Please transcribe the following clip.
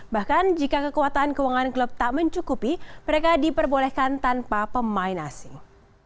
bahkan jika kekuatan keuangan klub tak mencukupi mereka diperbolehkan tanpa pemain asing